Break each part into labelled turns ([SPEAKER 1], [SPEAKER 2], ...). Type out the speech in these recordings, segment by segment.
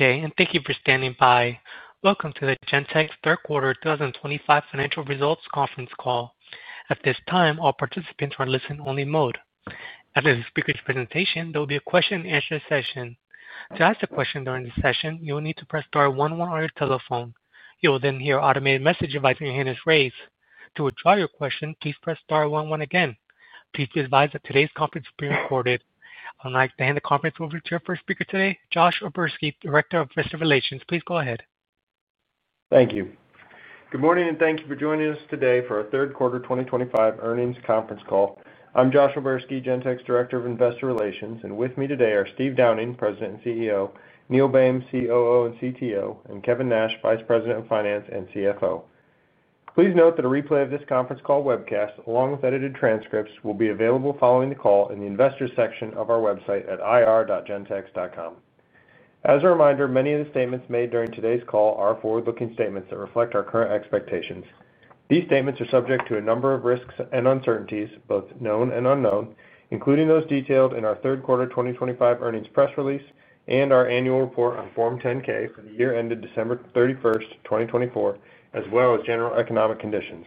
[SPEAKER 1] Okay. Thank you for standing by. Welcome to the Gentex third quarter 2025 financial results conference call. At this time, all participants are in listen-only mode. After the speaker's presentation, there will be a question and answer session. To ask a question during the session, you will need to press star one-one on your telephone. You will then hear an automated message advising your hand is raised. To withdraw your question, please press star one-one again. Please be advised that today's conference is being recorded. I would like to hand the conference over to our first speaker today, Josh O'Berski, Director of Investor Relations. Please go ahead.
[SPEAKER 2] Thank you. Good morning and thank you for joining us today for our third quarter 2025 earnings conference call. I'm Josh O'Berski, Gentex Director of Investor Relations, and with me today are Steve Downing, President and CEO, Neil Boehm, COO and CTO, and Kevin Nash, Vice President of Finance and CFO. Please note that a replay of this conference call webcast, along with edited transcripts, will be available following the call in the investors section of our website at ir.gentex.com. As a reminder, many of the statements made during today's call are forward-looking statements that reflect our current expectations. These statements are subject to a number of risks and uncertainties, both known and unknown, including those detailed in our third quarter 2025 earnings press Release and our annual report on Form 10-K for the year ended December 31, 2024, as well as general economic conditions.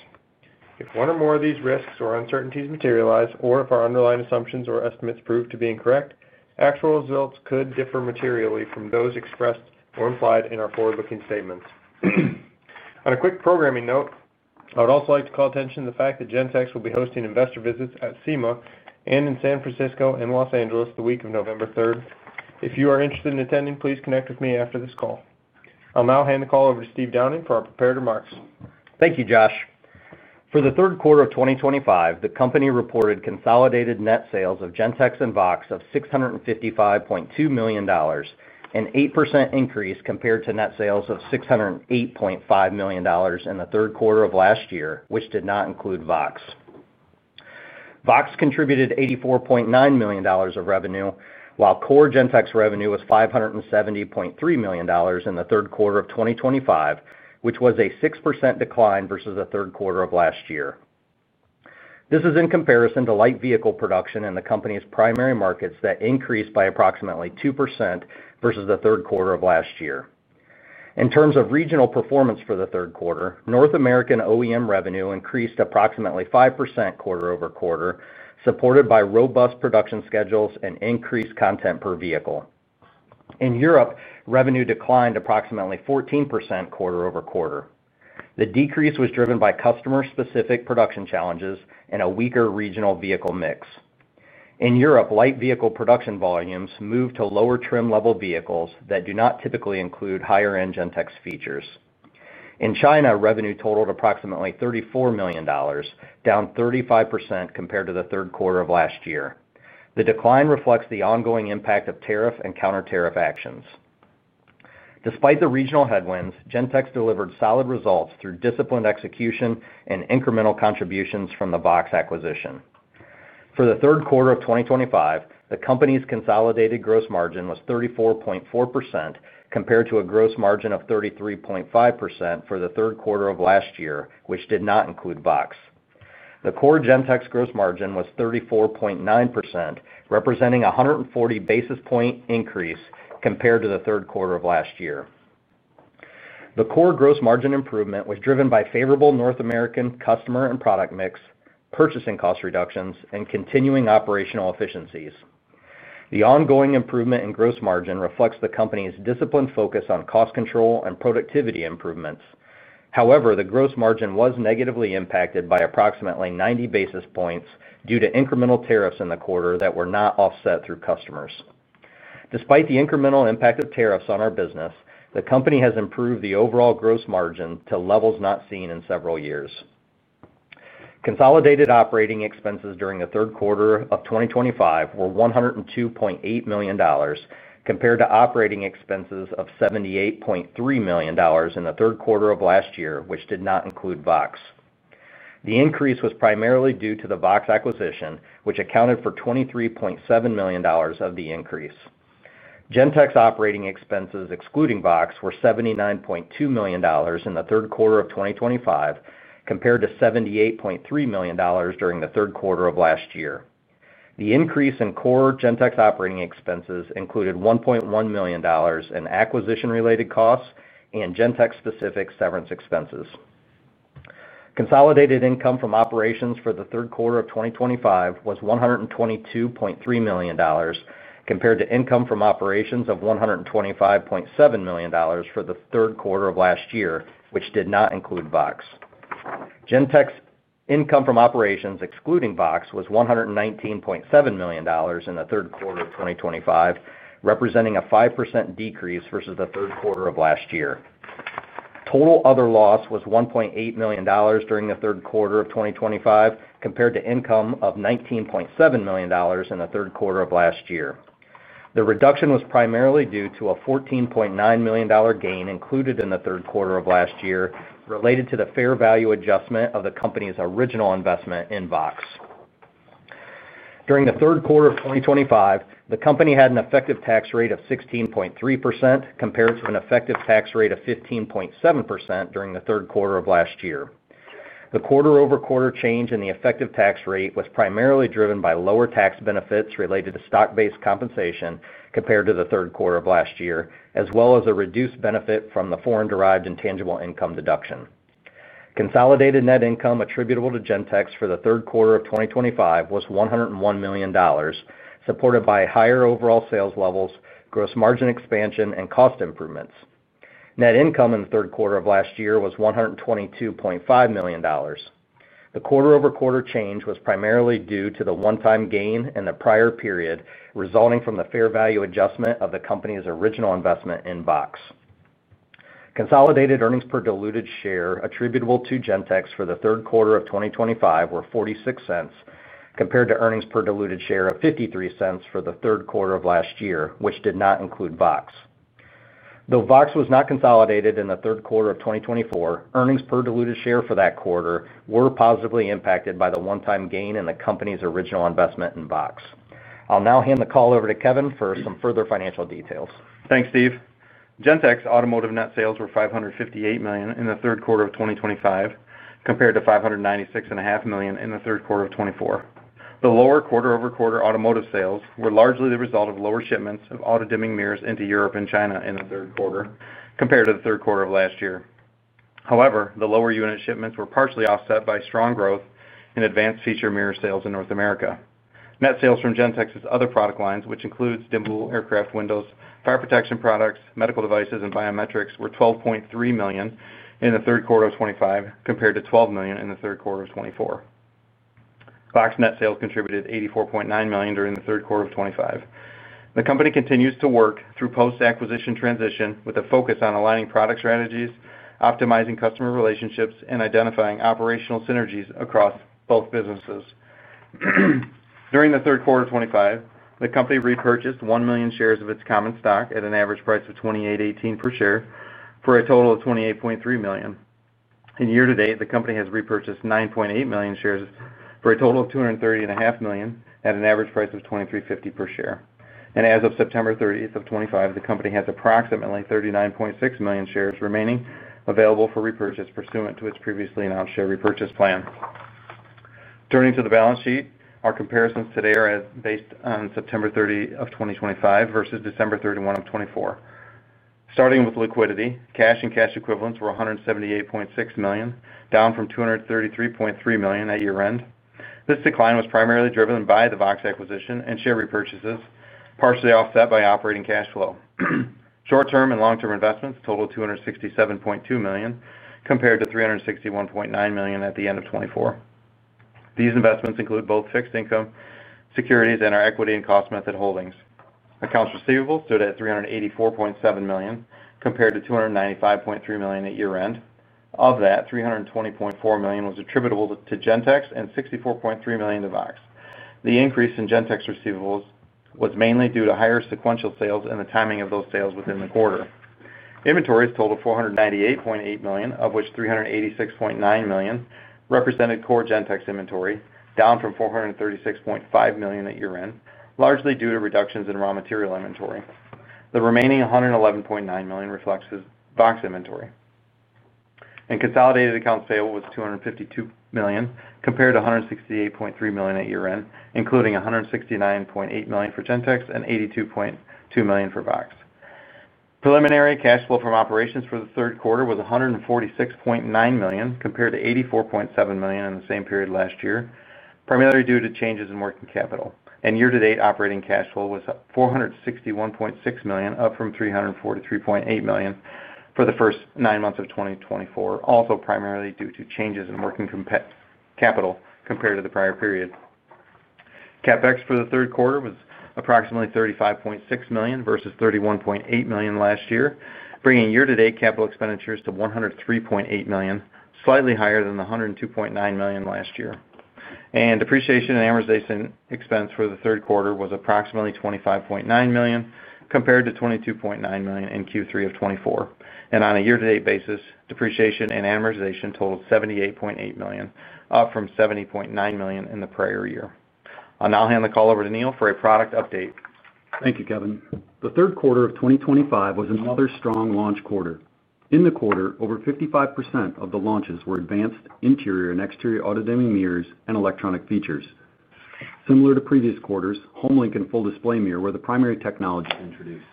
[SPEAKER 2] If one or more of these risks or uncertainties materialize, or if our underlying assumptions or estimates prove to be incorrect, actual results could differ materially from those expressed or implied in our forward-looking statements. On a quick programming note, I would also like to call attention to the fact that Gentex will be hosting investor visits at SEMA and in San Francisco and Los Angeles the week of November 3. If you are interested in attending, please connect with me after this call. I'll now hand the call over to Steve Downing for our prepared remarks.
[SPEAKER 3] Thank you, Josh. For the third quarter of 2025, the company reported consolidated net sales of Gentex and VOXX of $655.2 million, an 8% increase compared to net sales of $608.5 million in the third quarter of last year, which did not include VOXX. VOXX contributed $84.9 million of revenue, while core Gentex revenue was $570.3 million in the third quarter of 2025, which was a 6% decline versus the third quarter of last year. This is in comparison to light vehicle production in the company's primary markets that increased by approximately 2% versus the third quarter of last year. In terms of regional performance for the third quarter, North American OEM revenue increased approximately 5% quarter-over-quarter, supported by robust production schedules and increased content per vehicle. In Europe, revenue declined approximately 14% quarter-over-quarter. The decrease was driven by customer-specific production challenges and a weaker regional vehicle mix. In Europe, light vehicle production volumes moved to lower trim level vehicles that do not typically include higher-end Gentex features. In China, revenue totaled approximately $34 million, down 35% compared to the third quarter of last year. The decline reflects the ongoing impact of tariffs and counter-tariff actions. Despite the regional headwinds, Gentex delivered solid results through disciplined execution and incremental contributions from the VOXX acquisition. For the third quarter of 2025, the company's consolidated gross margin was 34.4% compared to a gross margin of 33.5% for the third quarter of last year, which did not include VOXX. The core Gentex gross margin was 34.9%, representing a 140 basis point increase compared to the third quarter of last year. The core gross margin improvement was driven by favorable North American customer and product mix, purchasing cost reductions, and continuing operational efficiencies. The ongoing improvement in gross margin reflects the company's disciplined focus on cost control and productivity improvements. However, the gross margin was negatively impacted by approximately 90 basis points due to incremental tariffs in the quarter that were not offset through customers. Despite the incremental impact of tariffs on our business, the company has improved the overall gross margin to levels not seen in several years. Consolidated operating expenses during the third quarter of 2025 were $102.8 million compared to operating expenses of $78.3 million in the third quarter of last year, which did not include VOXX. The increase was primarily due to the VOXX acquisition, which accounted for $23.7 million of the increase. Gentex operating expenses, excluding VOXX, were $79.2 million in the third quarter of 2025 compared to $78.3 million during the third quarter of last year. The increase in core Gentex operating expenses included $1.1 million in acquisition-related costs and Gentex-specific severance expenses. Consolidated income from operations for the third quarter of 2025 was $122.3 million compared to income from operations of $125.7 million for the third quarter of last year, which did not include VOXX. Gentex income from operations, excluding VOXX, was $119.7 million in the third quarter of 2025, representing a 5% decrease versus the third quarter of last year. Total other loss was $1.8 million during the third quarter of 2025 compared to income of $19.7 million in the third quarter of last year. The reduction was primarily due to a $14.9 million gain included in the third quarter of last year related to the fair value adjustment of the company's original investment in VOXX. During the third quarter of 2025, the company had an effective tax rate of 16.3% compared to an effective tax rate of 15.7% during the third quarter of last year. The quarter-over-quarter change in the effective tax rate was primarily driven by lower tax benefits related to stock-based compensation compared to the third quarter of last year, as well as a reduced benefit from the foreign-derived intangible income deduction. Consolidated net income attributable to Gentex for the third quarter of 2025 was $101 million, supported by higher overall sales levels, gross margin expansion, and cost improvements. Net income in the third quarter of last year was $122.5 million. The quarter-over-quarter change was primarily due to the one-time gain in the prior period resulting from the fair value adjustment of the company's original investment in VOXX. Consolidated earnings per diluted share attributable to Gentex for the third quarter of 2025 were $0.46 compared to earnings per diluted share of $0.53 for the third quarter of last year, which did not include VOXX. Though VOXX was not consolidated in the third quarter of 2024, earnings per diluted share for that quarter were positively impacted by the one-time gain in the company's original investment in VOXX. I'll now hand the call over to Kevin for some further financial details.
[SPEAKER 4] Thanks, Steve. Gentex automotive net sales were $558 million in the third quarter of 2025 compared to $596.5 million in the third quarter of 2024. The lower quarter-over-quarter automotive sales were largely the result of lower shipments of auto dimming mirrors into Europe and China in the third quarter compared to the third quarter of last year. However, the lower unit shipments were partially offset by strong growth in advanced feature mirror sales in North America. Net sales from Gentex's other product lines, which include dimmable aircraft windows, fire protection devices, medical devices, and biometrics, were $12.3 million in the third quarter of 2025 compared to $12 million in the third quarter of 2024. VOXX net sales contributed $84.9 million during the third quarter of 2025. The company continues to work through post-acquisition transition with a focus on aligning product strategies, optimizing customer relationships, and identifying operational synergies across both businesses. During the third quarter of 2025, the company repurchased 1 million shares of its common stock at an average price of $28.18 per share for a total of $28.3 million. Year to date, the company has repurchased 9.8 million shares for a total of $230.5 million at an average price of $23.50 per share. As of September 30, 2025, the company has approximately 39.6 million shares remaining available for repurchase pursuant to its previously announced share repurchase plan. Turning to the balance sheet, our comparisons today are based on September 30, 2025 versus December 31, 2024. Starting with liquidity, cash and cash equivalents were $178.6 million, down from $233.3 million at year-end. This decline was primarily driven by the VOXX acquisition and share repurchases, partially offset by operating cash flow. Short-term and long-term investments totaled $267.2 million compared to $361.9 million at the end of 2024. These investments include both fixed income securities and our equity and cost method holdings. Accounts receivable stood at $384.7 million compared to $295.3 million at year-end. Of that, $320.4 million was attributable to Gentex and $64.3 million to VOXX. The increase in Gentex receivables was mainly due to higher sequential sales and the timing of those sales within the quarter. Inventories totaled $498.8 million, of which $386.9 million represented core Gentex inventory, down from $436.5 million at year-end, largely due to reductions in raw material inventory. The remaining $111.9 million reflects VOXX inventory. Consolidated accounts payable was $252 million compared to $168.3 million at year-end, including $169.8 million for Gentex and $82.2 million for VOXX. Preliminary cash flow from operations for the third quarter was $146.9 million compared to $84.7 million in the same period last year, primarily due to changes in working capital. Year-to-date operating cash flow was $461.6 million, up from $343.8 million for the first nine months of 2024, also primarily due to changes in working capital compared to the prior period. CapEx for the third quarter was approximately $35.6 million versus $31.8 million last year, bringing year-to-date capital expenditures to $103.8 million, slightly higher than the $102.9 million last year. Depreciation and amortization expense for the third quarter was approximately $25.9 million compared to $22.9 million in Q3 of 2024. On a year-to-date basis, depreciation and amortization totaled $78.8 million, up from $70.9 million in the prior year. I'll now hand the call over to Neil for a product update.
[SPEAKER 5] Thank you, Kevin. The third quarter of 2025 was another strong launch quarter. In the quarter, over 55% of the launches were advanced interior and exterior auto-dimming mirrors and electronic features. Similar to previous quarters, Homelink and Full Display Mirror were the primary technologies introduced.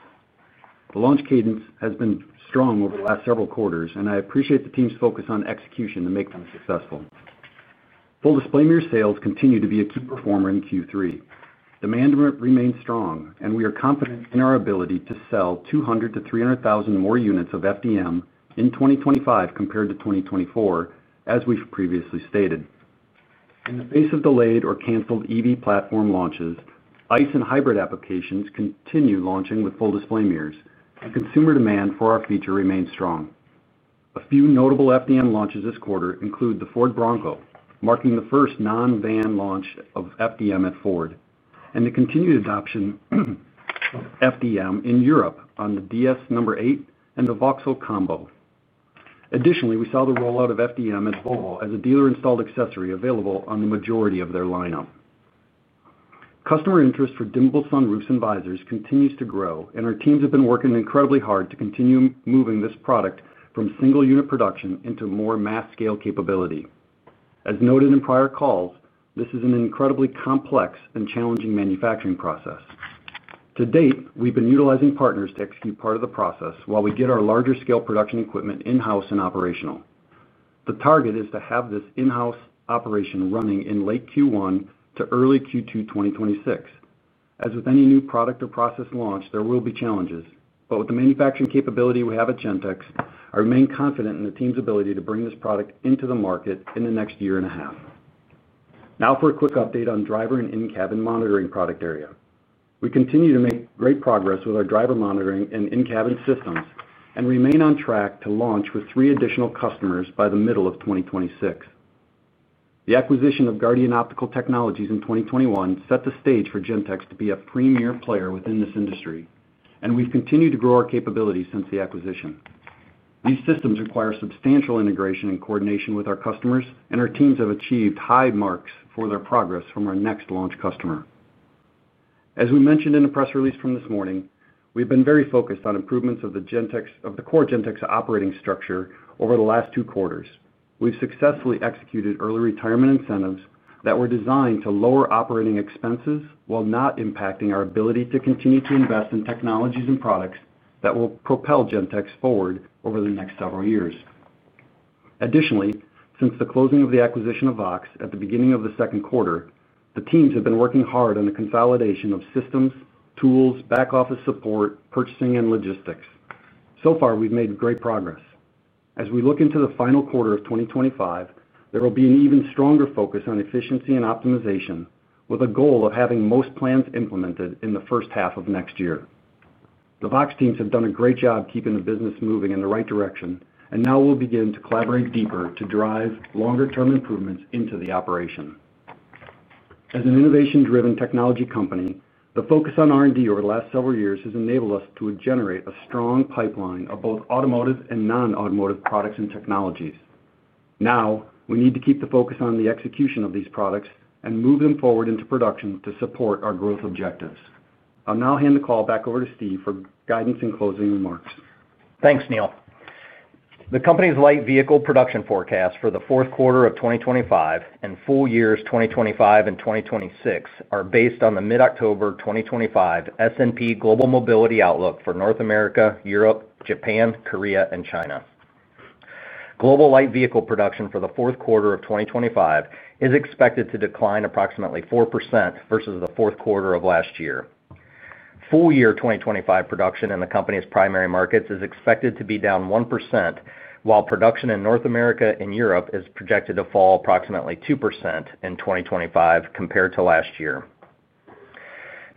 [SPEAKER 5] The launch cadence has been strong over the last several quarters, and I appreciate the team's focus on execution to make them successful. Full Display Mirror sales continue to be a key performer in Q3. Demand remains strong, and we are confident in our ability to sell 200,000-300,000 more units of FDM in 2025 compared to 2024, as we've previously stated. In the face of delayed or canceled EV platform launches, ICE and hybrid applications continue launching with Full Display Mirrors, and consumer demand for our feature remains strong. A few notable FDM launches this quarter include the Ford Bronco, marking the first non-van launch of FDM at Ford, and the continued adoption of FDM in Europe on the DS No. 8 and the Vauxhall Combo. Additionally, we saw the rollout of FDM at Volvo as a dealer-installed accessory available on the majority of their lineup. Customer interest for dimmable sunroofs and visors continues to grow, and our teams have been working incredibly hard to continue moving this product from single-unit production into more mass-scale capability. As noted in prior calls, this is an incredibly complex and challenging manufacturing process. To date, we've been utilizing partners to execute part of the process while we get our larger scale production equipment in-house and operational. The target is to have this in-house operation running in late Q1 to early Q2 2026. As with any new product or process launch, there will be challenges. With the manufacturing capability we have at Gentex, I remain confident in the team's ability to bring this product into the market in the next year and a half. Now for a quick update on driver and in-cabin monitoring product area. We continue to make great progress with our driver monitoring and in-cabin systems and remain on track to launch with three additional customers by the middle of 2026. The acquisition of Guardian Optical Technologies in 2021 set the stage for Gentex to be a premier player within this industry, and we've continued to grow our capabilities since the acquisition. These systems require substantial integration and coordination with our customers, and our teams have achieved high marks for their progress from our next launch customer. As we mentioned in the press release from this morning, we've been very focused on improvements of the core Gentex operating structure over the last two quarters. We've successfully executed early retirement incentives that were designed to lower operating expenses while not impacting our ability to continue to invest in technologies and products that will propel Gentex forward over the next several years. Additionally, since the closing of the acquisition of VOXX at the beginning of the second quarter, the teams have been working hard on the consolidation of systems, tools, back office support, purchasing, and logistics. We have made great progress. As we look into the final quarter of 2025, there will be an even stronger focus on efficiency and optimization, with a goal of having most plans implemented in the first half of next year. The VOXX teams have done a great job keeping the business moving in the right direction, and now we'll begin to collaborate deeper to drive longer-term improvements into the operation. As an innovation-driven technology company, the focus on R&D over the last several years has enabled us to generate a strong pipeline of both automotive and non-automotive products and technologies. Now we need to keep the focus on the execution of these products and move them forward into production to support our growth objectives. I'll now hand the call back over to Steve for guidance and closing remarks.
[SPEAKER 3] Thanks, Neil. The company's light vehicle production forecast for the fourth quarter of 2025 and full years 2025 and 2026 are based on the mid-October 2025 S&P Global Mobility Outlook for North America, Europe, Japan, Korea, and China. Global light vehicle production for the fourth quarter of 2025 is expected to decline approximately 4% versus the fourth quarter of last year. Full year 2025 production in the company's primary markets is expected to be down 1%, while production in North America and Europe is projected to fall approximately 2% in 2025 compared to last year.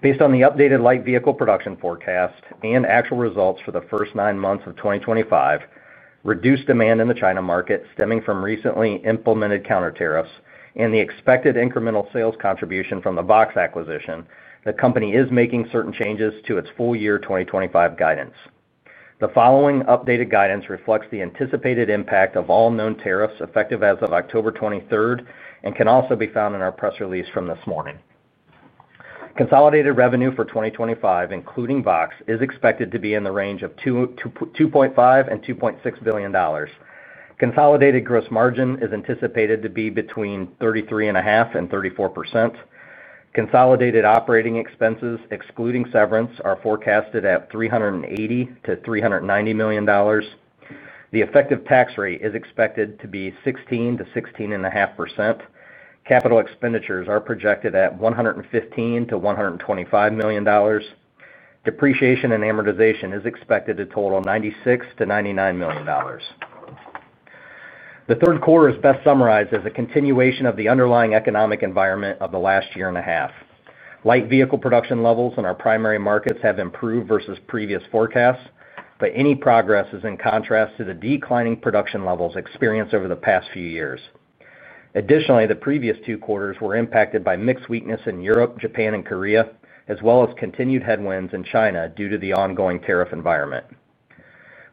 [SPEAKER 3] Based on the updated light vehicle production forecast and actual results for the first nine months of 2025, reduced demand in the China market stemming from recently implemented counter tariffs and the expected incremental sales contribution from the VOXX acquisition, the company is making certain changes to its full year 2025 guidance. The following updated guidance reflects the anticipated impact of all known tariffs effective as of October 23rd and can also be found in our press release from this morning. Consolidated revenue for 2025, including VOXX, is expected to be in the range of $2.5 billion and $2.6 billion. Consolidated gross margin is anticipated to be between 33.5% and 34%. Consolidated operating expenses, excluding severance, are forecasted at $380 million-$390 million. The effective tax rate is expected to be 16%-16.5%. Capital expenditures are projected at $115 million-$125 million. Depreciation and amortization is expected to total $96 million-$99 million. The third quarter is best summarized as a continuation of the underlying economic environment of the last year and a half. Light vehicle production levels in our primary markets have improved versus previous forecasts, but any progress is in contrast to the declining production levels experienced over the past few years. Additionally, the previous two quarters were impacted by mixed weakness in Europe, Japan, and Korea, as well as continued headwinds in China due to the ongoing tariff environment.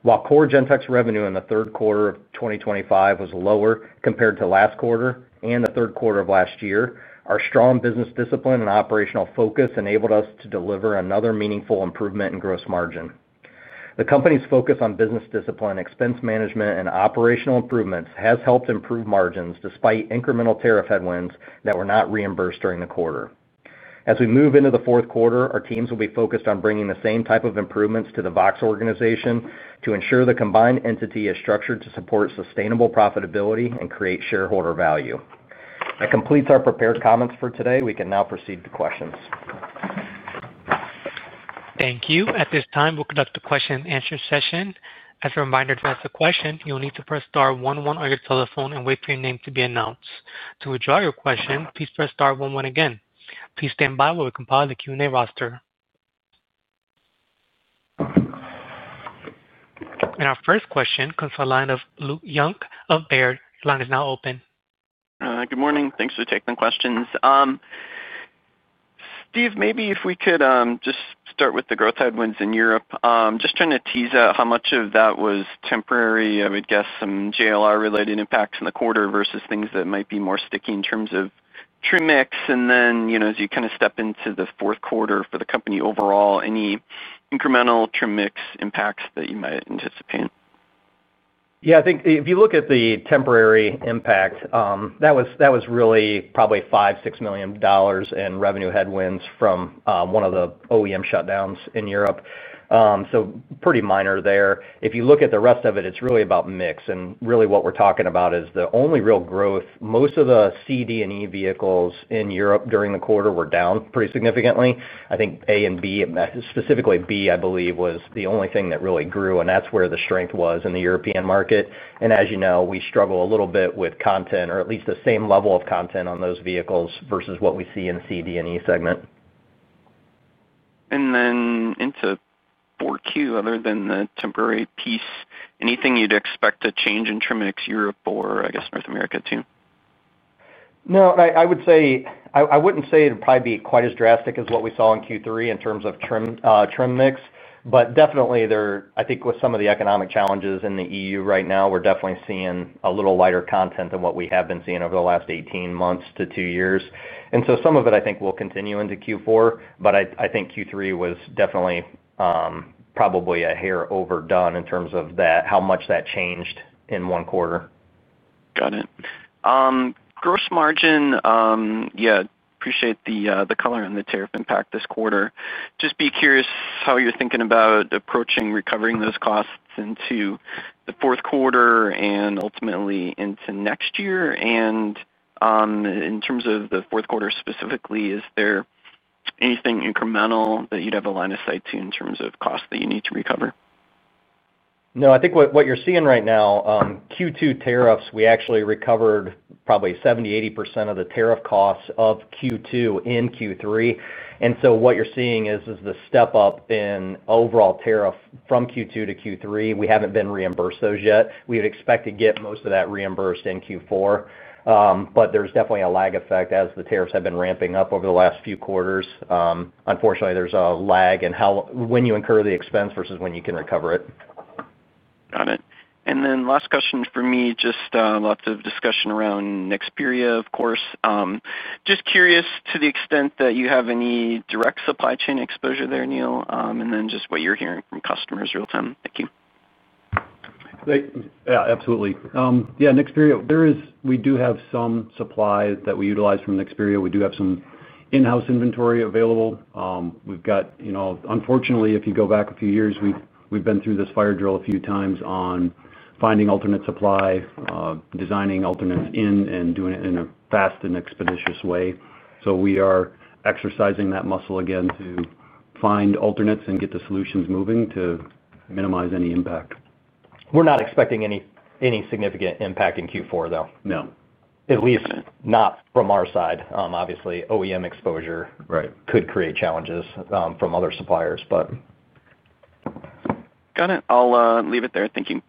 [SPEAKER 3] While core Gentex revenue in the third quarter of 2025 was lower compared to last quarter and the third quarter of last year, our strong business discipline and operational focus enabled us to deliver another meaningful improvement in gross margin. The company's focus on business discipline, expense management, and operational improvements has helped improve margins despite incremental tariff headwinds that were not reimbursed during the quarter. As we move into the fourth quarter, our teams will be focused on bringing the same type of improvements to the VOXX organization to ensure the combined entity is structured to support sustainable profitability and create shareholder value. That completes our prepared comments for today. We can now proceed to questions.
[SPEAKER 1] Thank you. At this time, we'll conduct the question and answer session. As a reminder, to ask a question, you'll need to press star one-one on your telephone and wait for your name to be announced. To withdraw your question, please press star one-one again. Please stand by while we compile the Q&A roster. Our first question comes from the line of Luke Junk of Baird. Your line is now open.
[SPEAKER 6] Good morning. Thanks for taking the questions. Steve, maybe if we could just start with the growth headwinds in Europe. Just trying to tease out how much of that was temporary, I would guess, some JLR-related impacts in the quarter versus things that might be more sticky in terms of trim mix. As you kind of step into the fourth quarter for the company overall, any incremental trim mix impacts that you might anticipate?
[SPEAKER 3] Yeah, I think if you look at the temporary impact, that was really probably $5 million, $6 million in revenue headwinds from one of the OEM shutdowns in Europe. Pretty minor there. If you look at the rest of it, it's really about mix. What we're talking about is the only real growth. Most of the C, D, and E vehicles in Europe during the quarter were down pretty significantly. I think A and B, specifically B, I believe, was the only thing that really grew. That's where the strength was in the European market. As you know, we struggle a little bit with content, or at least the same level of content on those vehicles versus what we see in the C, D, and E segment.
[SPEAKER 6] Into 4Q, other than the temporary piece, anything you'd expect to change in trim mix Europe or, I guess, North America too?
[SPEAKER 3] No, I wouldn't say it would probably be quite as drastic as what we saw in Q3 in terms of trim mix. There, I think with some of the economic challenges in the EU right now, we're definitely seeing a little lighter content than what we have been seeing over the last 18 months to two years. Some of it I think will continue into Q4. I think Q3 was definitely probably a hair overdone in terms of how much that changed in one quarter.
[SPEAKER 6] Got it. Gross margin, yeah, I appreciate the color and the tariff impact this quarter. I'm just curious how you're thinking about approaching recovering those costs into the fourth quarter and ultimately into next year. In terms of the fourth quarter specifically, is there anything incremental that you'd have a line of sight to in terms of costs that you need to recover?
[SPEAKER 3] No, I think what you're seeing right now, Q2 tariffs, we actually recovered probably 70%-80% of the tariff costs of Q2 in Q3. What you're seeing is the step up in overall tariff from Q2 to Q3. We haven't been reimbursed those yet. We would expect to get most of that reimbursed in Q4. There's definitely a lag effect as the tariffs have been ramping up over the last few quarters. Unfortunately, there's a lag in when you incur the expense versus when you can recover it.
[SPEAKER 6] Got it. Last question for me, just lots of discussion around Nexperia, of course. Just curious to the extent that you have any direct supply chain exposure there, Neil, and what you're hearing from customers real-time. Thank you.
[SPEAKER 5] Yeah, absolutely. Nexperia, we do have some supplies that we utilize from Nexperia. We do have some in-house inventory available. Unfortunately, if you go back a few years, we've been through this fire drill a few times on finding alternate supply, designing alternates in, and doing it in a fast and expeditious way. We are exercising that muscle again to find alternates and get the solutions moving to minimize any impact.
[SPEAKER 3] We're not expecting any significant impact in Q4, though.
[SPEAKER 5] No.
[SPEAKER 3] At least not from our side. Obviously, OEM exposure could create challenges from other suppliers.
[SPEAKER 6] Got it. I'll leave it there. Thank you.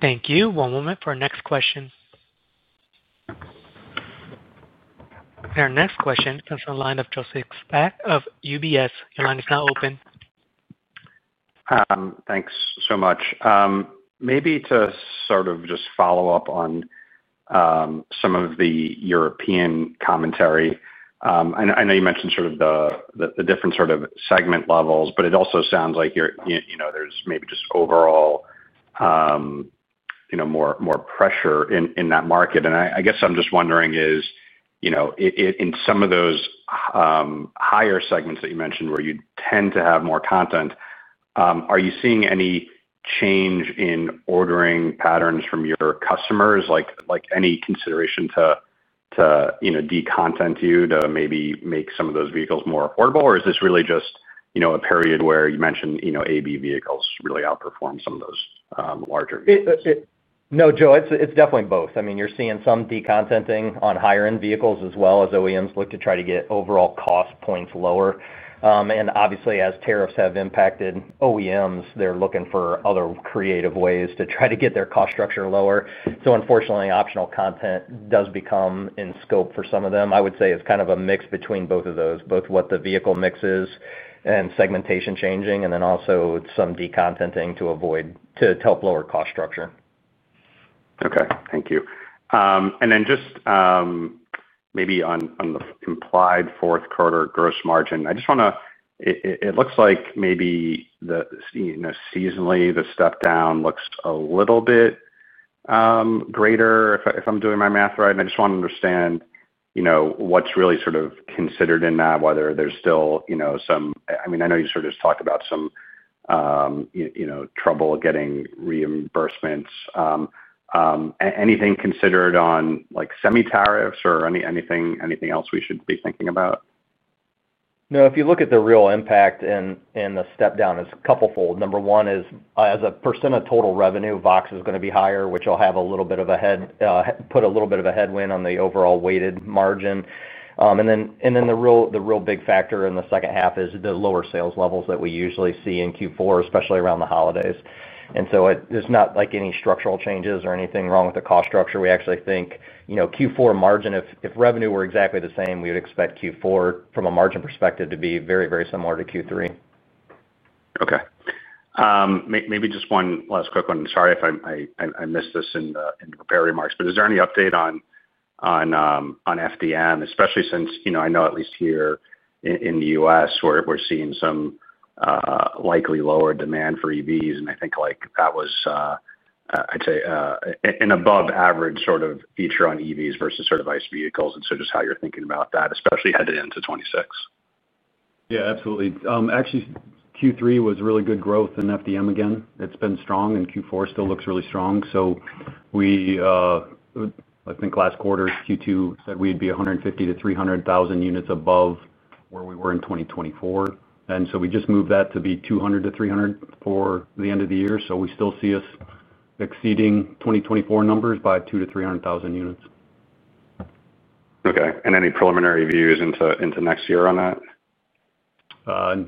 [SPEAKER 1] Thank you. One moment for our next question. Our next question comes from the line of Joseph Spak of UBS. Your line is now open.
[SPEAKER 7] Thanks so much. Maybe to sort of just follow up on some of the European commentary. I know you mentioned sort of the different sort of segment levels, but it also sounds like there's maybe just overall more pressure in that market. I guess I'm just wondering, in some of those higher segments that you mentioned where you tend to have more content, are you seeing any change in ordering patterns from your customers? Like, any consideration to decontent you to maybe make some of those vehicles more affordable? Is this really just a period where you mentioned A and B vehicles really outperform some of those larger?
[SPEAKER 3] No, Joe, it's definitely both. You're seeing some decontenting on higher-end vehicles as well as OEMs look to try to get overall cost points lower. Obviously, as tariffs have impacted OEMs, they're looking for other creative ways to try to get their cost structure lower. Unfortunately, optional content does become in scope for some of them. I would say it's kind of a mix between both of those, both what the vehicle mix is and segmentation changing, and then also some decontenting to help lower cost structure.
[SPEAKER 7] Okay. Thank you. Just maybe on the implied fourth quarter gross margin, it looks like the seasonally, the step down looks a little bit greater. If I'm doing my math right, I just want to understand what's really sort of considered in that, whether there's still some, I mean, I know you just talked about some trouble getting reimbursements. Anything considered on like semi-tariffs or anything else we should be thinking about?
[SPEAKER 3] No. If you look at the real impact in the step down, it's a couple fold. Number one is as a percent of total revenue, VOXX is going to be higher, which will have a little bit of a headwind on the overall weighted margin. The real big factor in the second half is the lower sales levels that we usually see in Q4, especially around the holidays. It's not like any structural changes or anything wrong with the cost structure. We actually think, you know, Q4 margin, if revenue were exactly the same, we would expect Q4 from a margin perspective to be very, very similar to Q3.
[SPEAKER 7] Okay. Maybe just one last quick one. Sorry if I missed this in the prepared remarks, but is there any update on FDM, especially since, you know, I know at least here in the U.S., we're seeing some likely lower demand for EVs. I think like that was, I'd say, an above average sort of feature on EVs versus sort of ICE vehicles. Just how you're thinking about that, especially headed into 2026.
[SPEAKER 5] Yeah, absolutely. Actually, Q3 was really good growth in FDM again. It's been strong, and Q4 still looks really strong. I think last quarter, Q2, said we'd be 150,000-300,000 units above where we were in 2024. We just moved that to be 200,000-300,000 for the end of the year. We still see us exceeding 2024 numbers by 200,000-300,000 units.
[SPEAKER 7] Okay. Any preliminary views into next year on that?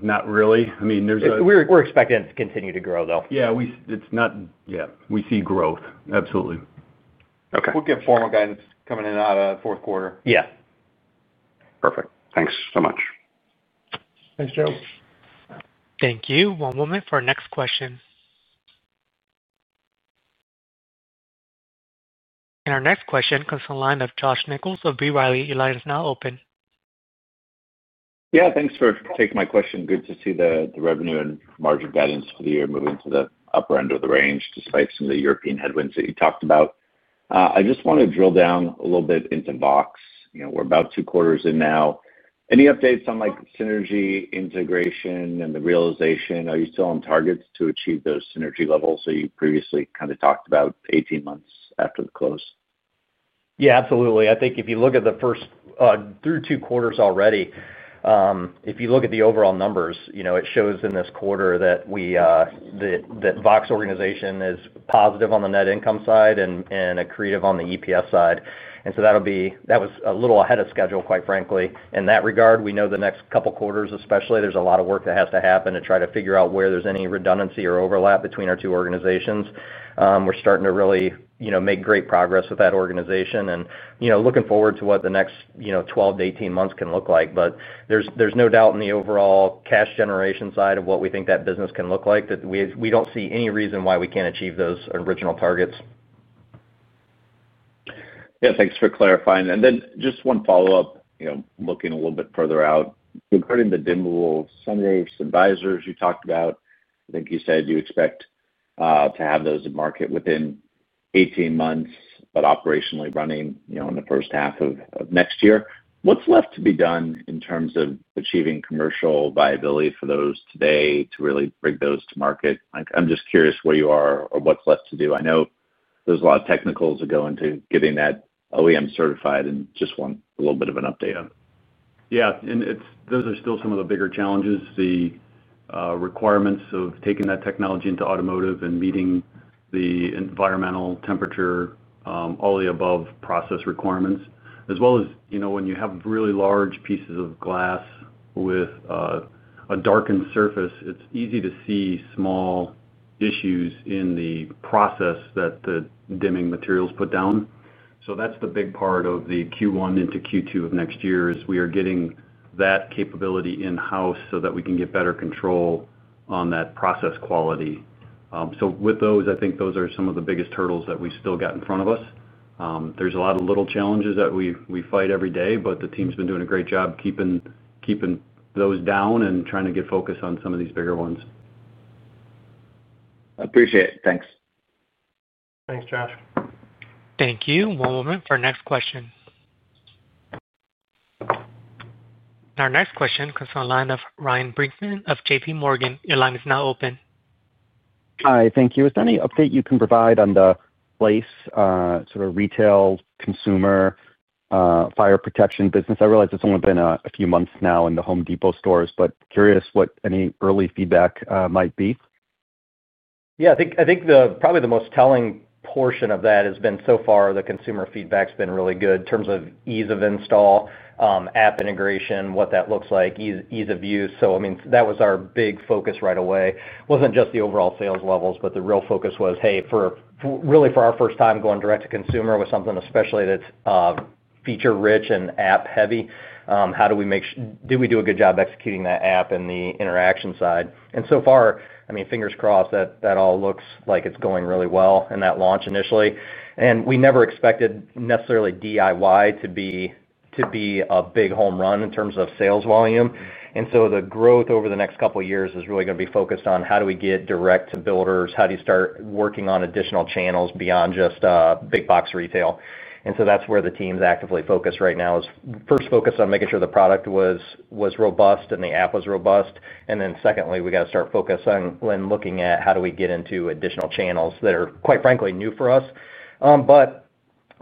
[SPEAKER 5] Not really. I mean, there's a.
[SPEAKER 3] We're expecting it to continue to grow, though.
[SPEAKER 5] Yeah, we see growth. Absolutely.
[SPEAKER 7] Okay.
[SPEAKER 2] We'll get formal guidance coming out of the fourth quarter.
[SPEAKER 3] Yeah.
[SPEAKER 7] Perfect. Thanks so much.
[SPEAKER 2] Thanks, Joe.
[SPEAKER 1] Thank you. One moment for our next question. Our next question comes from the line of Josh Nichols of B. Riley. Your line is now open.
[SPEAKER 8] Yeah, thanks for taking my question. Good to see the revenue and margin guidance for the year moving to the upper end of the range, despite some of the European headwinds that you talked about. I just want to drill down a little bit into VOXX. You know, we're about two quarters in now. Any updates on like synergy integration and the realization? Are you still on targets to achieve those synergy levels that you previously kind of talked about 18 months after the close?
[SPEAKER 3] Yeah, absolutely. I think if you look at the first, through two quarters already, if you look at the overall numbers, you know, it shows in this quarter that we, that VOXX organization is positive on the net income side and accretive on the EPS side. That was a little ahead of schedule, quite frankly. In that regard, we know the next couple of quarters, especially, there's a lot of work that has to happen to try to figure out where there's any redundancy or overlap between our two organizations. We're starting to really make great progress with that organization, and looking forward to what the next 12-18 months can look like. There's no doubt in the overall cash generation side of what we think that business can look like that we don't see any reason why we can't achieve those original targets.
[SPEAKER 8] Thank you for clarifying. Just one follow-up, looking a little bit further out. Regarding the dimmable sunroofs and visors you talked about, I think you said you expect to have those in market within 18 months, but operationally running in the first half of next year. What's left to be done in terms of achieving commercial viability for those today to really bring those to market? I'm just curious where you are or what's left to do. I know there's a lot of technicals that go into getting that OEM certified and just want a little bit of an update on it.
[SPEAKER 5] Yeah, those are still some of the bigger challenges, the requirements of taking that technology into automotive and meeting the environmental temperature, all the above process requirements. As well as, you know, when you have really large pieces of glass with a darkened surface, it's easy to see small issues in the process that the dimming materials put down. That's the big part of the Q1 into Q2 of next year. We are getting that capability in-house so that we can get better control on that process quality. I think those are some of the biggest hurdles that we still got in front of us. There are a lot of little challenges that we fight every day, but the team's been doing a great job keeping those down and trying to get focused on some of these bigger ones.
[SPEAKER 8] I appreciate it. Thanks.
[SPEAKER 2] Thanks, Josh.
[SPEAKER 1] Thank you. One moment for our next question. Our next question comes from the line of Ryan Brinkman of JPMorgan. Your line is now open.
[SPEAKER 9] Hi, thank you. Is there any update you can provide on the place, sort of retail consumer, fire protection business? I realize it's only been a few months now in the Home Depot stores, but curious what any early feedback might be.
[SPEAKER 3] I think probably the most telling portion of that has been so far the consumer feedback's been really good in terms of ease of install, app integration, what that looks like, ease of use. That was our big focus right away. It wasn't just the overall sales levels, but the real focus was, hey, for really for our first time going direct to consumer with something especially that's feature-rich and app-heavy, how do we make sure we do a good job executing that app and the interaction side? So far, fingers crossed that all looks like it's going really well in that launch initially. We never expected necessarily DIY to be a big home run in terms of sales volume. The growth over the next couple of years is really going to be focused on how do we get direct to builders, how do you start working on additional channels beyond just big box retail. That's where the team's actively focused right now, first focused on making sure the product was robust and the app was robust. Then secondly, we got to start focusing on looking at how do we get into additional channels that are, quite frankly, new for us.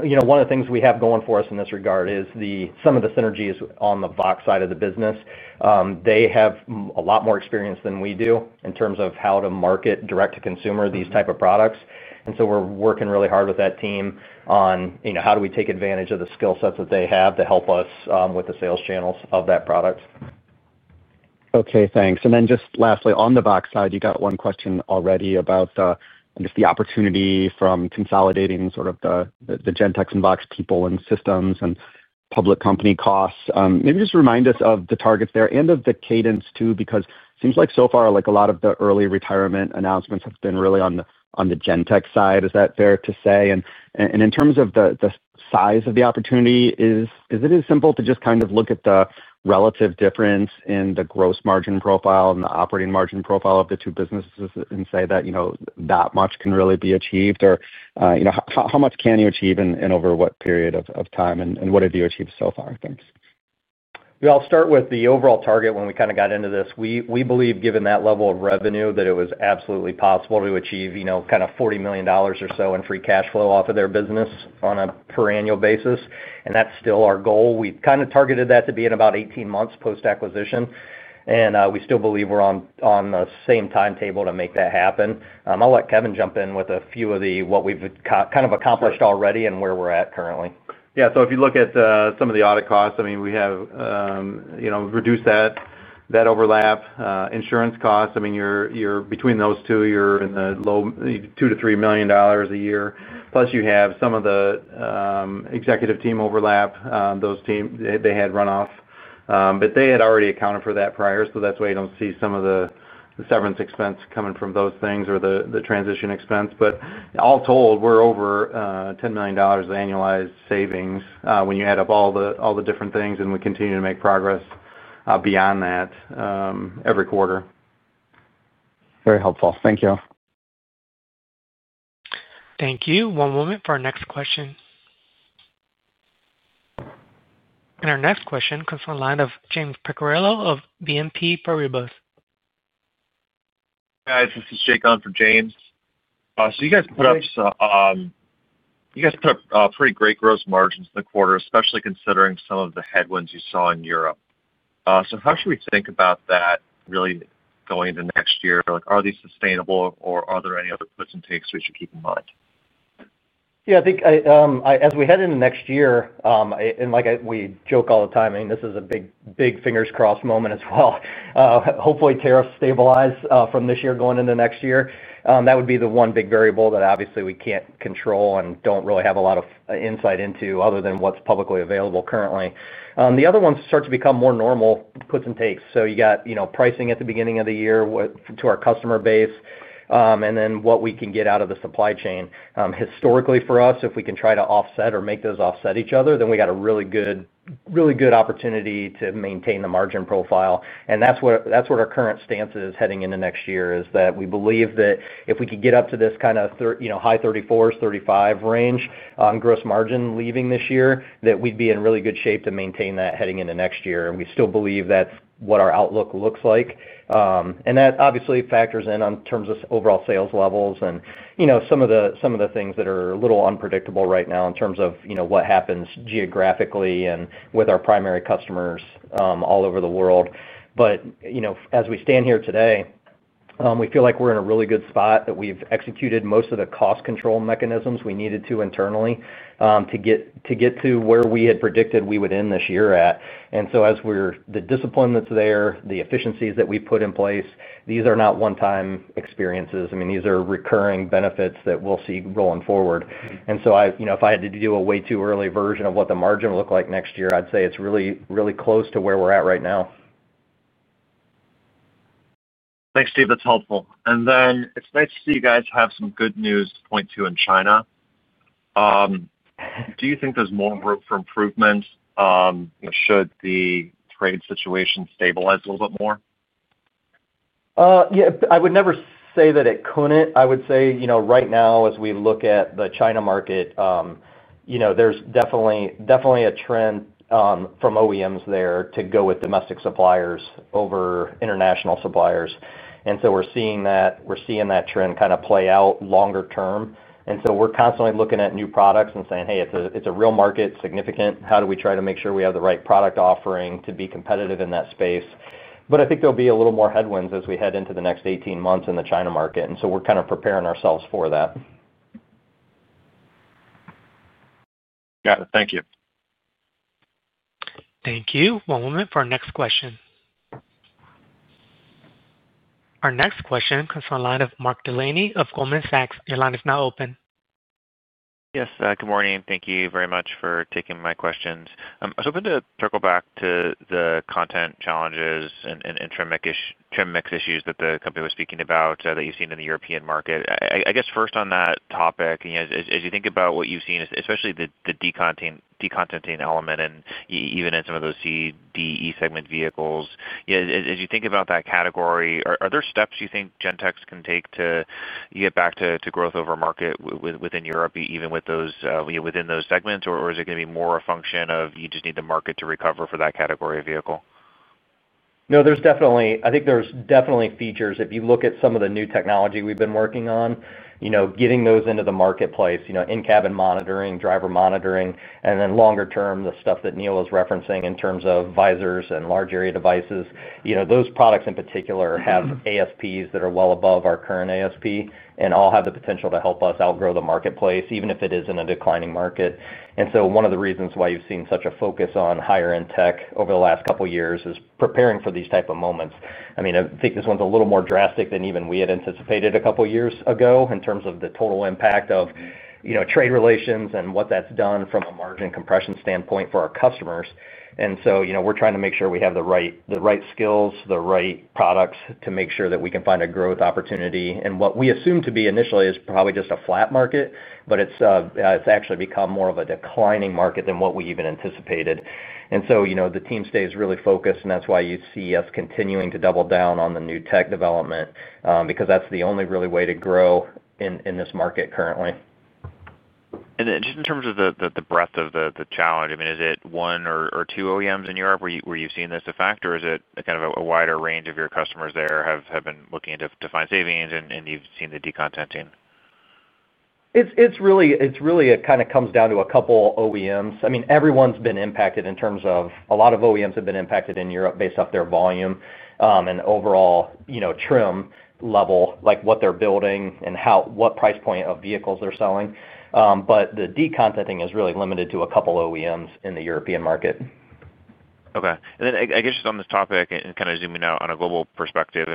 [SPEAKER 3] One of the things we have going for us in this regard is some of the synergies on the VOXX side of the business. They have a lot more experience than we do in terms of how to market direct to consumer these types of products. We're working really hard with that team on how do we take advantage of the skill sets that they have to help us with the sales channels of that product.
[SPEAKER 9] Okay, thanks. Lastly, on the VOXX side, you got one question already about the opportunity from consolidating the Gentex and VOXX people and systems and public company costs. Maybe just remind us of the targets there and of the cadence too, because it seems like so far, a lot of the early retirement announcements have been really on the Gentex side. Is that fair to say? In terms of the size of the opportunity, is it as simple to just look at the relative difference in the gross margin profile and the operating margin profile of the two businesses and say that much can really be achieved? How much can you achieve and over what period of time? What have you achieved so far? Thanks.
[SPEAKER 3] Yeah, I'll start with the overall target when we kind of got into this. We believe, given that level of revenue, that it was absolutely possible to achieve, you know, kind of $40 million or so in free cash flow off of their business on a per-annual basis. That's still our goal. We kind of targeted that to be in about 18 months post-acquisition. We still believe we're on the same timetable to make that happen. I'll let Kevin jump in with a few of the what we've kind of accomplished already and where we're at currently.
[SPEAKER 4] If you look at some of the audit costs, we have reduced that overlap insurance cost. You're between those two, you're in the low $2 million-$3 million a year. Plus, you have some of the executive team overlap. Those teams had runoff. They had already accounted for that prior. That's why you don't see some of the severance expense coming from those things or the transition expense. All told, we're over $10 million of annualized savings when you add up all the different things. We continue to make progress beyond that every quarter.
[SPEAKER 9] Very helpful. Thank you.
[SPEAKER 1] Thank you. One moment for our next question. Our next question comes from the line of James Picariello of BNP Paribas.
[SPEAKER 10] This is Jake on for James. You guys put up pretty great gross margins in the quarter, especially considering some of the headwinds you saw in Europe. How should we think about that really going into next year? Are these sustainable or are there any other puts and takes we should keep in mind?
[SPEAKER 3] Yeah, I think as we head into next year, and like we joke all the time, I mean, this is a big fingers crossed moment as well. Hopefully, tariffs stabilize from this year going into next year. That would be the one big variable that obviously we can't control and don't really have a lot of insight into other than what's publicly available currently. The other ones start to become more normal puts and takes. You got, you know, pricing at the beginning of the year, what to our customer base, and then what we can get out of the supply chain. Historically, for us, if we can try to offset or make those offset each other, then we got a really good, really good opportunity to maintain the margin profile. That's what our current stance is heading into next year, that we believe that if we could get up to this kind of, you know, high 34%, 35% range on gross margin leaving this year, that we'd be in really good shape to maintain that heading into next year. We still believe that's what our outlook looks like. That obviously factors in on terms of overall sales levels and, you know, some of the things that are a little unpredictable right now in terms of, you know, what happens geographically and with our primary customers all over the world. As we stand here today, we feel like we're in a really good spot that we've executed most of the cost control mechanisms we needed to internally to get to where we had predicted we would end this year at. As we're the discipline that's there, the efficiencies that we've put in place, these are not one-time experiences. These are recurring benefits that we'll see rolling forward. If I had to do a way too early version of what the margin would look like next year, I'd say it's really, really close to where we're at right now.
[SPEAKER 10] Thanks, Steve. That's helpful. It's nice to see you guys have some good news to point to in China. Do you think there's more room for improvement should the trade situation stabilize a little bit more?
[SPEAKER 3] Yeah, I would never say that it couldn't. I would say, you know, right now, as we look at the China market, there's definitely a trend from OEMs there to go with domestic suppliers over international suppliers. We're seeing that trend kind of play out longer term. We're constantly looking at new products and saying, "Hey, it's a real market, significant. How do we try to make sure we have the right product offering to be competitive in that space?" I think there'll be a little more headwinds as we head into the next 18 months in the China market. We're kind of preparing ourselves for that.
[SPEAKER 10] Got it. Thank you.
[SPEAKER 1] Thank you. One moment for our next question. Our next question comes from the line of Mark Delaney of Goldman Sachs. Your line is now open.
[SPEAKER 11] Yes, good morning. Thank you very much for taking my questions. I was hoping to circle back to the content challenges and trim mix issues that the company was speaking about that you've seen in the European market. I guess first on that topic, as you think about what you've seen, especially the decontenting element, and even in some of those C, D, E segment vehicles, as you think about that category, are there steps you think Gentex can take to get back to growth over market within Europe, even with those, within those segments? Or is it going to be more a function of you just need the market to recover for that category of vehicle?
[SPEAKER 3] No, there's definitely, I think there's definitely features. If you look at some of the new technology we've been working on, you know, getting those into the marketplace, in-cabin monitoring, driver monitoring, and then longer term, the stuff that Neil was referencing in terms of visors and large area devices, those products in particular have ASPs that are well above our current ASP and all have the potential to help us outgrow the marketplace, even if it is in a declining market. One of the reasons why you've seen such a focus on higher-end tech over the last couple of years is preparing for these types of moments. I think this one's a little more drastic than even we had anticipated a couple of years ago in terms of the total impact of trade relations and what that's done from a margin compression standpoint for our customers. We're trying to make sure we have the right skills, the right products to make sure that we can find a growth opportunity. What we assumed to be initially is probably just a flat market, but it's actually become more of a declining market than what we even anticipated. The team stays really focused, and that's why you see us continuing to double down on the new tech development, because that's the only really way to grow in this market currently.
[SPEAKER 11] In terms of the breadth of the challenge, is it one or two OEMs in Europe where you've seen this effect, or is it kind of a wider range of your customers there have been looking to find savings and you've seen the decontenting?
[SPEAKER 3] It really kind of comes down to a couple OEMs. I mean, everyone's been impacted in terms of a lot of OEMs have been impacted in Europe based off their volume and overall, you know, trim level, like what they're building and what price point of vehicles they're selling. The decontenting is really limited to a couple OEMs in the European market.
[SPEAKER 11] Okay. On this topic and kind of zooming out on a global perspective,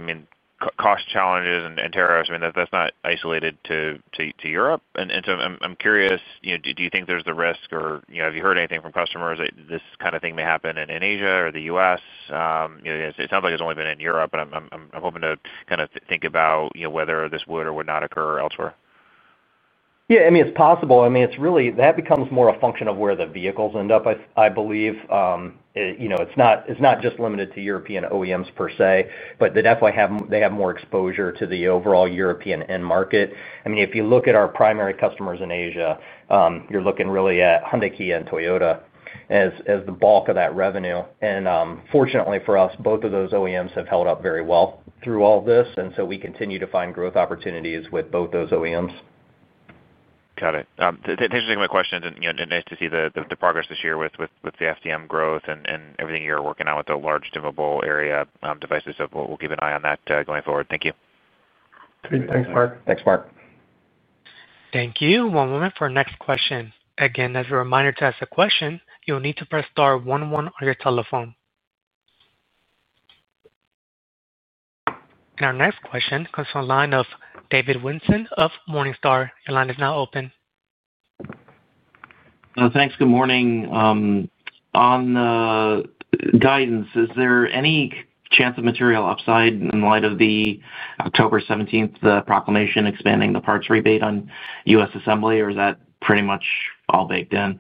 [SPEAKER 11] cost challenges and tariffs, that's not isolated to Europe. I'm curious, do you think there's the risk or have you heard anything from customers that this kind of thing may happen in Asia or the U.S.? It sounds like it's only been in Europe, but I'm hoping to kind of think about whether this would or would not occur elsewhere.
[SPEAKER 3] Yeah, I mean, it's possible. It's really, that becomes more a function of where the vehicles end up, I believe. You know, it's not just limited to European OEMs per se, but they definitely have more exposure to the overall European end market. If you look at our primary customers in Asia, you're looking really at Hyundai, Kia, and Toyota as the bulk of that revenue. Fortunately for us, both of those OEMs have held up very well through all of this, and we continue to find growth opportunities with both those OEMs.
[SPEAKER 11] Got it. That's interesting questions. Nice to see the progress this year with the FDM growth and everything you're working on with the large dimmable area devices. We'll keep an eye on that going forward. Thank you.
[SPEAKER 3] Thanks, Mark.
[SPEAKER 1] Thank you. One moment for our next question. As a reminder, to ask a question, you'll need to press star one-one on your telephone. Our next question comes from the line of David Whiston of Morningstar. Your line is now open.
[SPEAKER 12] Thanks. Good morning. On the guidance, is there any chance of material upside in light of the October 17 proclamation expanding the parts rebate on U.S. assembly, or is that pretty much all baked in?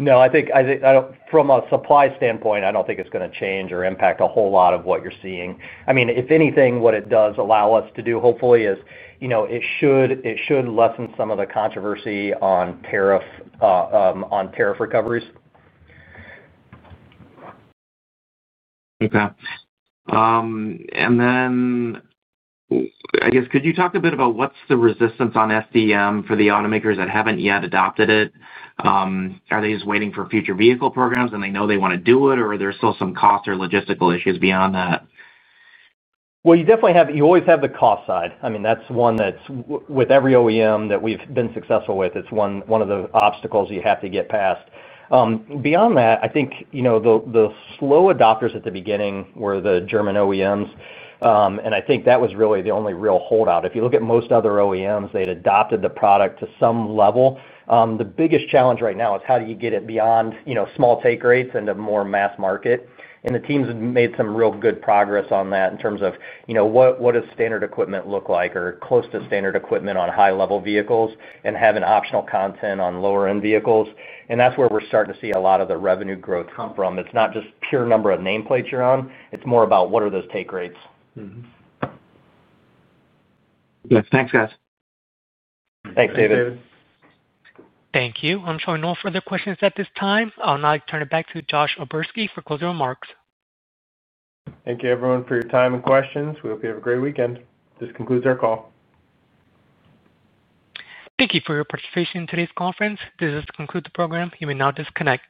[SPEAKER 3] No, I think I don't, from a supply standpoint, I don't think it's going to change or impact a whole lot of what you're seeing. I mean, if anything, what it does allow us to do, hopefully, is it should lessen some of the controversy on tariff recoveries.
[SPEAKER 12] Okay. Could you talk a bit about what's the resistance on FDM for the automakers that haven't yet adopted it? Are they just waiting for future vehicle programs and they know they want to do it, or are there still some cost or logistical issues beyond that?
[SPEAKER 3] You definitely have, you always have the cost side. I mean, that's one that's with every OEM that we've been successful with. It's one of the obstacles you have to get past. Beyond that, I think the slow adopters at the beginning were the German OEMs. I think that was really the only real holdout. If you look at most other OEMs, they'd adopted the product to some level. The biggest challenge right now is how do you get it beyond small take rates into more mass market? The teams have made some real good progress on that in terms of what does standard equipment look like or close to standard equipment on high-level vehicles and having optional content on lower-end vehicles. That's where we're starting to see a lot of the revenue growth come from. It's not just pure number of nameplates you're on. It's more about what are those take rates.
[SPEAKER 12] Thanks, guys.
[SPEAKER 3] Thanks, David.
[SPEAKER 1] Thank you. I'm showing no further questions at this time. I'll now turn it back to Josh O'Berski for closing remarks.
[SPEAKER 2] Thank you, everyone, for your time and questions. We hope you have a great weekend. This concludes our call.
[SPEAKER 1] Thank you for your participation in today's conference. This is to conclude the program. You may now disconnect.